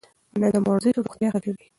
منظم ورزش روغتيا ښه کوي.